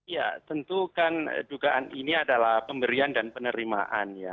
ya tentu kan dugaan ini adalah pemberian dan penerimaan ya